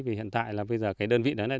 vì hiện tại là bây giờ cái đơn vị đấy này